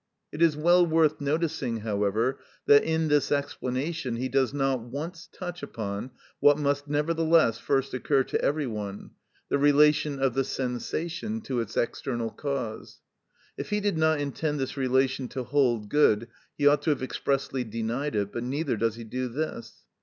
It is well worth noticing, however, that in this explanation he does not once touch upon what must nevertheless first occur to every one—the relation of the sensation to its external cause. If he did not intend this relation to hold good, he ought to have expressly denied it; but neither does he do this.